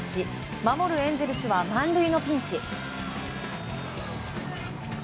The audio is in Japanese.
守るエンゼルスは満塁のピンチ。